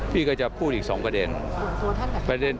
พี่ก็จะพูดอีก๒ประเด็น